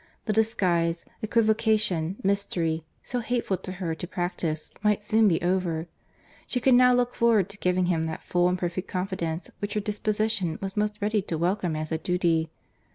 The disguise, equivocation, mystery, so hateful to her to practise, might soon be over. She could now look forward to giving him that full and perfect confidence which her disposition was most ready to welcome as a duty.